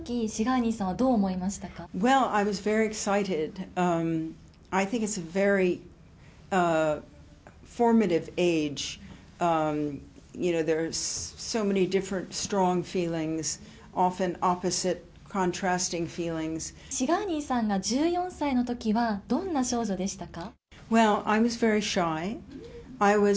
シガーニーさんが１４歳のときは、どんな少女でしたか？